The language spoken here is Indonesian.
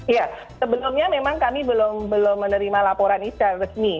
ya sebelumnya memang kami belum menerima laporan secara resmi